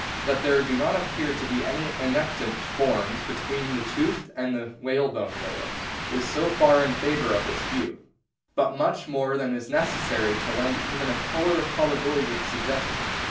That there do not appear to be any annectant forms between the toothed and the whalebone whales is so far in favour of this view. But much more than that is necessary to lend even a colour of probability to the suggestion.